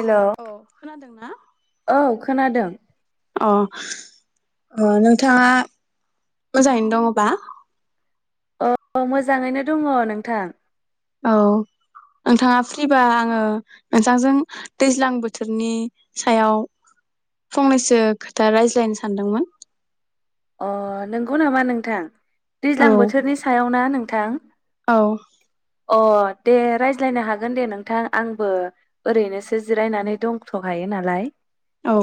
Hello औ खोनादोंना औ खोनादों अ अ नोंथाङा मोजाङैनो दङबा? औ मोजाङैनो दङ नोंथां। औ नोंथाङा फ्रिबा आङो नोंथांजों दैज्लां बोथोरनि सायाव फंनैसो खोथा रायज्लायनो सानदोंमोन अ नंगौ नामा नोंथां औ दैज्लां बोथोरनि सायाव ना नों नोंथां औ अ दे रायज्लायनो हागोन दे नोंथां आंबो ओरैनोसो जिरायनानै दंथ'हायो नालाय। औ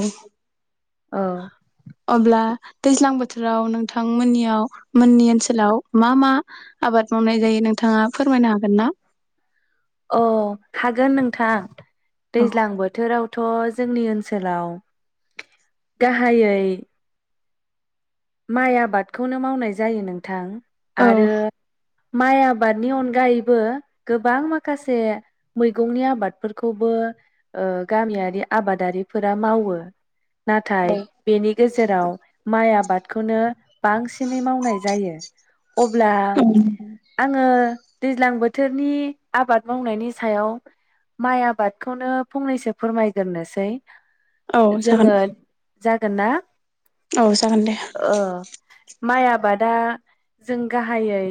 औ अब्ला दैज्लां बोथोराव नोंथांमोननियाव मोननि ओनसोलाव मा मा आबाद मावनाय जायो नोंथाङा फोरमायनो हागोन ना? अ हागोन नोंथां। औ दैज्लां बोथोराव थ' जोंनि ओनसोलाव गाहायै माइ आबादखौनो मावनाय जायो नोंथां। औ आरो माइ आबादनि अनगायैबो गोबां माखासे मैगंनि आबादफोरखौबो गामियारि आबादारिफोरा मावो नाथाय औ बेनि गेजेराव माइ आबाद खौनो बांसिनै मावनाय जायो अब्ला आङो दैज्लां बो बोथोरनि आबाद मावनायनि सायाव माइ आबादखौनो फंनैसो फोरमायग्रोसै औ जागोन जागोन ना औ जागोन दे ओ माइ आबादा जों गाहायै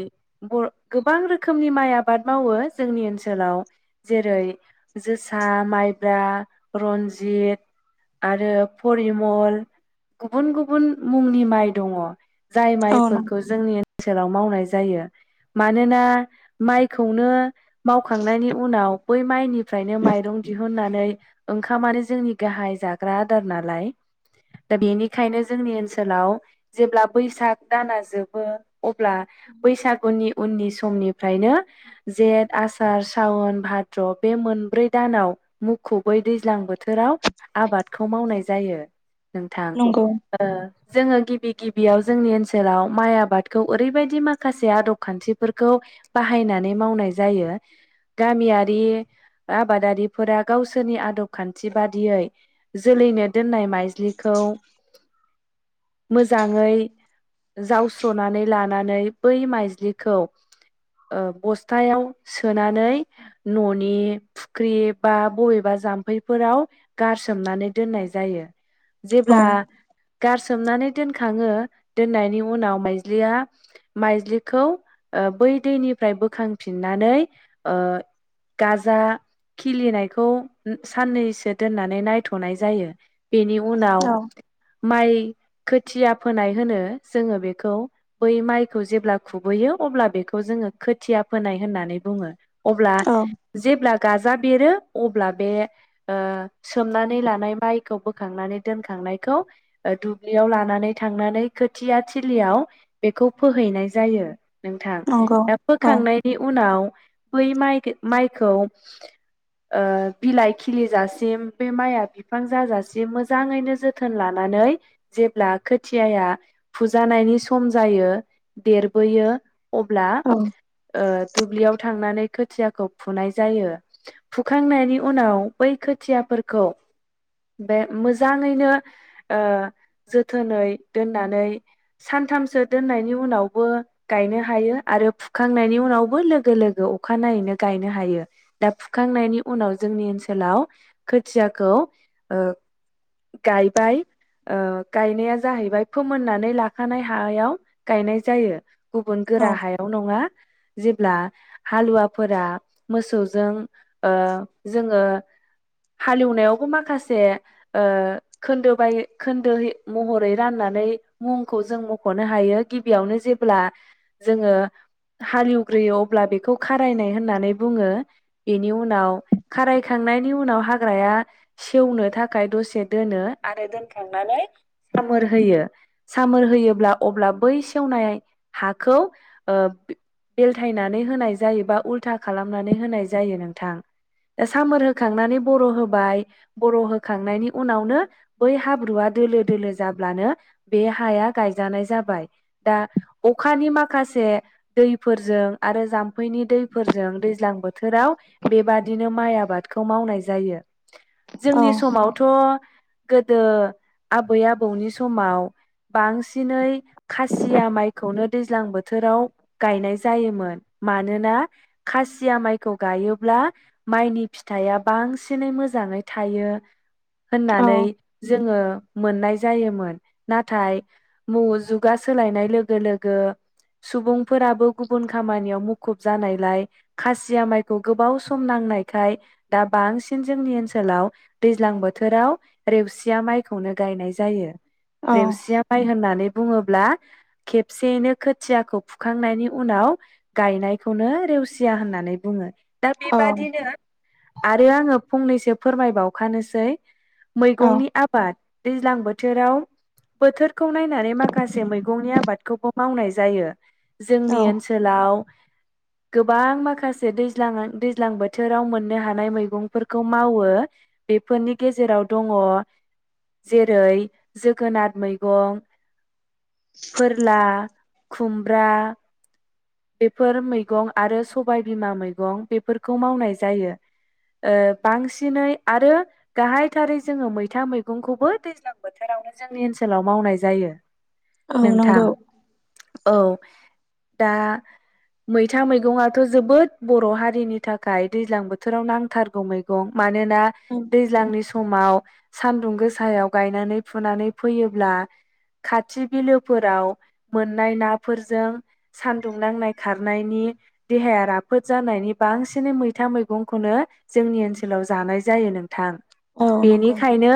बर गोबां रोखोमनि माइ आबाद मावो जोंनि ओनसोलाव जेरै जोसा माइब्रा रनजित आरो परिमल गुबुन गुबुन मुंनि माइ दङ जाय औ माइफोरखौ जोंनि ओनसोलाव मावनाय जायो मानोना माइखौनो मावखांनायनि उनाव बै माइनिफ्रायनो माइरं दिहुननानै ओंखामानो जोंनि गाहाय जाग्रा आदार नालाय दा बेनिखायनो जोंनि ओन ओनसोलाव जेब्ला बैसाग दाना जोबो अब्ला बैसागुनि उननि समनिफ्रायनो जेत आसार सावन भाद्र' बे मोनब्रै दानाव मुखुबै दैज्लां बोथोराव आबादखौ मावनाय जायो नोंथां नंगौ ओ जोङो गिबि गिबियाव जोंनि ओनसोलाव माइ आबादखौ ओरैबायदि माखासे आदब खान्थिफोरखौ बाहायनानै मावनाय जायो गामियारि आबादारिफोरा गावसोरनि आदब खान्थि बादियै जोलैनो दोननाय माइज्लिखौ मोजाङै जावस्र'नानै लानानै बै माइज्लिखौ ओ बस्थायाव सोनानै न'नि फुख्रि बा बबेबा जाम्फैफोराव गारसोमनानै दोननाय जायो औ जेब्ला गार सोमनानै दोनखाङो दोननायनि उनाव माइज्लिया माइज्लिखौ बै दैनिफ्राय बोखांफिननानै गाजा खिलिनायखौ साननैसो दोननानै नायथ'नाय जायो बेनि उनाव औ माइ खोथिया फोनाय होनो जोङो बेखौ बै माइखौ जेब्ला खुबैयो अब्ला बेखौ जोङो खोथिया फोनाय होननानै बुङो अब्ला औ जेब्ला गाजा बेरो अब्ला बे ओ सोमनानै लानाय माइखौ बोखांनानै दोनखांनायखौ ओ दु दुब्लियाव लानानै थांनानै खोथिया थिलियाव बेखौ फोहैनाय जायो नोंथां नंगौ दा औ फोखांनायनि उनाव बै माइ माइखौ बिलाइ खिलिजासिम बे माइआ बिफां जाजासिम मोजाङैनो जोथोन लानानै जेब्ला खोथियाया फुजानायनि सम जायो देरबोयो अब्ला औ ओ दुब्लियाव थांनानै खोथियाखौ फुनाय जायो फुखांनायनि उनाव बै खोथियाफोरखौ बे मोजाङैनो ओ जोथोनै दोननानै सानथामसो दोननायनि उनावबो गायनो हायो आरो फुखांनायनि उनावबो लोगो लोगो अखानायनायैनो गायनो हायो दा फुखांनायनि उनाव जोंनि ओनसोलाव खोथियाखौ ओ गायबाय ओ गायनाया जाहैबाय फोमोननानै लाखानाय हायाव गायनाय जायो गुबुन औ गोरा हायाव नङा जेब्ला हालुवाफोरा मोसौजों ओ जोङो हालेवनायावबो माखासे ओ खोन्दो बाय खोन्दो महरै राननानै मुंखौ जों मख'नो हायो गिबियावनो जेब्ला जोङो हालेवग्रोयो अब्ला बेखौ खारायनाय होननानै बुङो बेनि उनाव खारायखांनाय नि उनाव हाग्राया सेवनो थाखाय दसे दोनो आरो दोनखांनानै सामोर होयो सामोर होयोब्ला अब्ला बै सेवनाय हाखौ ओ बेलथायनानै होनाय जायो बा उल्था खालामनानै होनाय जायो नोंथां सामोर होखांनानै बर' होबाय बर' होखांनायनि उनावनो बै हाब्रुआ दोलो दोलो जाब्लानो बे हाया गायजानाय जाबाय दा अखानि माखासे दैफोरजों आरो जाम्फैनि दैफोरजों दैज्लां बोथोराव बेबादिनो माइ आबादखौ मावनाय जायो औ जोंनि समावथ' गोदो आबै आ आबौनि समाव बांसिनै खासिया माइखौनो दैज्लां बोथोराव गायनाय जायोमोन मानोना खासिया माइखौ गायोब्ला माइनि फिथाइया बांसिनै मोजाङै थायो होननानै जोङो मोननाय जायोमोन नाथाय जुगा सोलायनाय लोगो लोगो सुबुंफोराबो गुबुन खामानियाव मुखुब जानायलाय खासिया माइखौ गोबाव सम नांनायखाय दा बांसिन जोंनि ओनसोलाव दैज्लां बोथोराव रेवसिया माइखौनो गायनाय जा जायो औ-औ-औ-औ-औ रेवसिया माय होननानै बुङोब्ला खेबसेयैनो खोथियाखौ फुखांनायनि उनाव गायनायखौनो रेवसिया होननानै बुङो दा बेबादिनो आरो आङो फंनैसो फोरमायबावखानोसै मैगंनि आबाद दैज्लां बो बोथोराव बोथोरखौ नायनानै माखासे मैगंनि आबादखौबो मावनाय जायो जोंनि ओनसोलाव गोबां माखासे दैज्लां दैज्लां बोथोराव मोननो हानाय मैगंफोरखौ मावो बेफोरनि गेजेराव दङ जेरै जोगोनार मैगं फोरला खुमब्रा बेफोर मैगं आरो सबायबिमा मैगं बेफोरखौ मावनाय जायो ओ बांसिनै आरो गाहायथारै जोङो मैथा मैगंखौबो दैज्लां बोथोरावनो जोंनि ओनसोलाव मावनाय जायो औ नोंथां नंगौ औ दा मैथा मैगङाथ' जोबोद बर' हारिनि थाखाय दैज्लां बोथोराव नांथारगौ मैगं मानो दैज्लांनि समाव सान्दुं गोसायाव गायनानै फुनानै फैयोब्ला खाथि बिलोफोराव मोननाय नाफोरजों सानदुं नांनाय खारनायनि देहाया राफोद जानायनि बांसिनै मैथा मैगंखौनो जोंनि ओनसोलाव जानाय जायो नोंथां औ नंगौ बेनिखायनो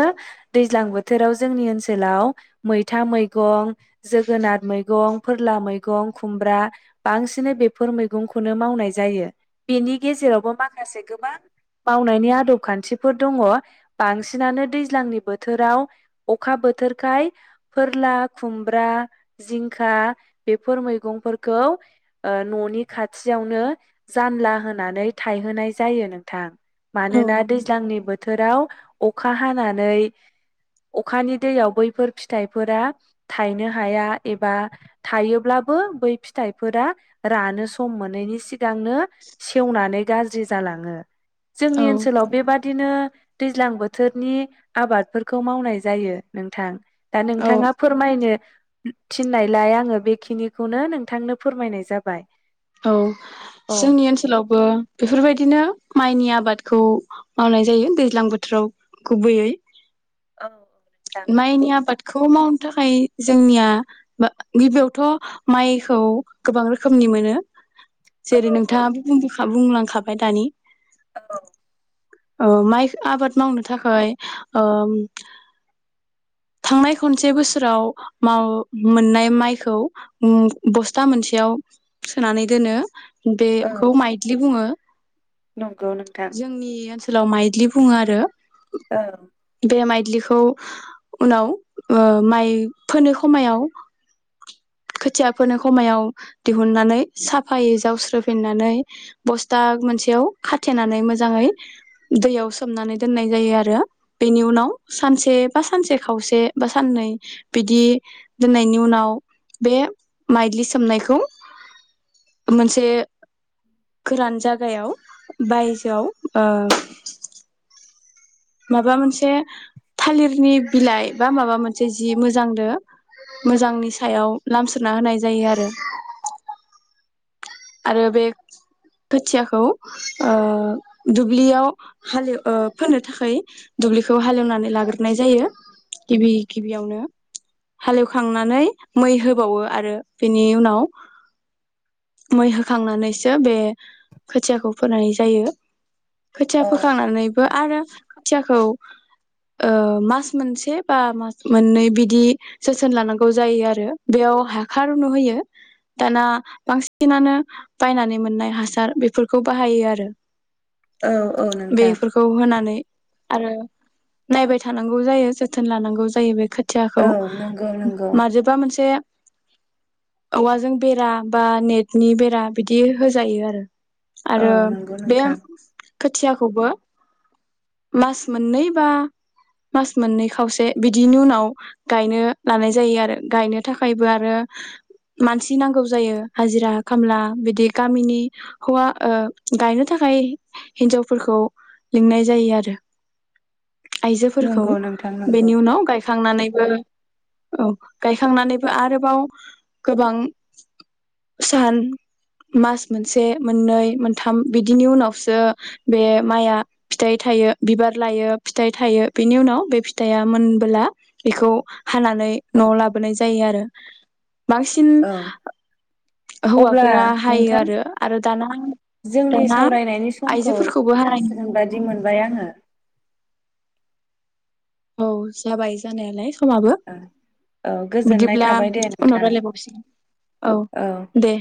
दैज्लां बो बोथोराव जोंनि ओनसोलाव मैथा मैगं जोगोनार मैगं फोरला मैगं खुमब्रा बांसिन बेफोर मैगंखौनो मावनाय जायो बेनि गेजेरावबो माखासे गोबां मावनायनि आदब खान्थिफोर दङ बांसिनानो दैज्लांनि बोथोराव अखा बोथोरखाय फोरला खुमब्रा जिंखा बेफोर मैगंफोरखौ न'नि खाथियावनो जानला होनानै थायहोनाय जायो नोंथां औ मानोना दैज्लांनि बोथोराव अखा हानानै अखानि दैयाव बैफोर फिथाइफोरा थायनो हाया एबा थायोब्लाबो बै फिथाइफोरा रानो सम मोनैनि सि सिगांनो सेवनानै गाज्रि जालाङो जोंनि औ ओनसोलाव बेबादिनो दैज्लां बोथोरनि आबाद खौ मावनाय जायो नोंथां दा औ नोंथाङा फोरमायनो थिननायलाय आङो बेखिनिखौनो नोंथांनो फोरमायनाय जाबाय औ अ जोंनि औ ओनसोलावबो बेफोरबायदिनो माइनिया आबादखौ मावनाय जायो दैज्लां बोथोराव गुबैयै नोंथां माइनि आबा खौ मावनो थाखाय जोंनियाा गिबियावथ' माइखौ गोबां रोखोमनि मोनो औ जेरै औ नोंथाङाबो बुंबोखाबो बुंलांखाबाय दानि औ औ माइ आबाद मावनो थाखाय ओ थांनाय खनसे बोसोराव मोननाय माइखौ उम बस्था मोनसेयाव सोनानै दोनो बेखौ माइथलि बुङो न जोंनि ओ सोलाव माइद्लि बुङो आरो औ बे माइदिलिखौ उनाव ओ माइ फोनो समायाव खोथियाफोरनो खमायाव दिहुननानै साफायै जावस्रोफिननानै बस्था मोनसेयाव खाथेनानै मोजाङै दैयाव सोमनानै दोननाय जायो आरो बेनि उनाव सानसे बा सानसे खावसे बा साननै बिदि दोननायनि उनाव बे माइलि सोमनायखौ मोनसे गोरान जागायाव बायजोआव ओ माबा मोनसे थालिरनि बिलाइ बा माबा मोनसे जि मोजांनो मोजांनि सायाव लामस्रोना होनाय जायो आरो आरो बे खोथियाखौ ओ दुब्लियाव हालेव ओ फोननो थाखाय दुब्लिखौ हालेवनानै लाग्रोनाय जायो गिबि गिबियावनो हालेवखांनानै मै होबावो आरो बेनि उनाव मै होखांनानैसो बे खोथियाखौ फोननाय जायो खोथिया औ फोखांनानैबो नोंथां आरो खुथियाखौ ओ मास मोनसे बा मास मोननै बिदि जोथोन लानांगौ जायो आरो बेयाव हाख रुनु होयो दाना बांसिन बांसिनानो बायनानै मोननाय हासार बेफोरखौ बाहायो आरो औ औ नोंथां बेफोरखौ होनानै आरो नायबाय थानांगौ जायो जोथोन लानांगौ जायो बेखो थियाखौ औ नंगौ नंगौ मारैबा मोनसे औवाजों बेरा बा नेट नि बेरा बिदि होजायो आरो औ आरो नंगौ बे नोंथां आं खोथियाखौबो मास मोननै बा मास मोननै खावसे बिदिनि उनाव गायनो लानाय जायो आरो गायनो थाखायबो आरो मानसि नांगौ जायो हाजिरा खामला बिदि गामिनि हौवा ओ गायनो थाखाय हिन्जावफोरखौ लिंनाय जायो आरो आइजोफोरखौ नंगौ नोंथां नंगौ बेनि उनाव गायख गायखांनानैबो औ गायखांनानैबो आरोबाव गोबां सान मास मोनसे मोननै मोनथाम बिदिनि उनावसो बे माइआ फिथाइ थायो बिबार लायो फिथाइ थायो बेनि उनाव बे फिथाइया मोनबोला बेखौ हानानै न'आव लाबोनाय जायो आरो। बांसिन औ अब्ला हौवाफोरा हायो नोंथां आरो आरो दाना जोंनि दाना सावरायनायनि समखौ आइजोफोरखौबो हानाय नुनो जासिगोन बादि मोनबाय आङो औ जाबाय जानायालाय। समाबो औ गोजोननाय बिदिब्ला थाबाय दे उनाव नोंथां रायलायबावसिगोन औ दे।